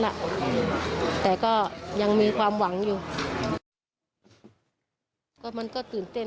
แต่ก็ยังมีความหวังอยู่